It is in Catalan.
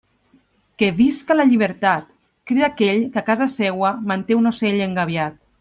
Que visca la llibertat, crida aquell que, a casa seua, manté un ocell engabiat.